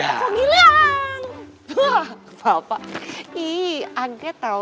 sekarang cuma pengen makanya